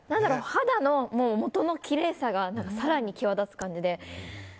肌の元のきれいさが更に際立つ感じで。